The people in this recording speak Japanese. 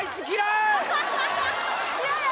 嫌や！